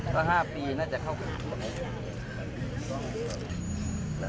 ๕ปีน่าจะเข้าขาด